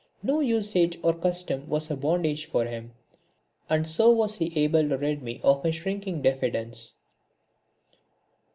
No usage or custom was a bondage for him, and so was he able to rid me of my shrinking diffidence.